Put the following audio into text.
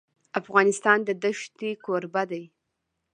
افغانستان د ښتې کوربه دی.